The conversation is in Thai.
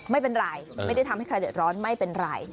ไม่เป็นไรไม่ได้ทำให้ใครเดี๋ยวร้อนไม่เป็นไร